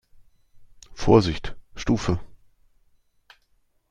Vorsicht Stufe!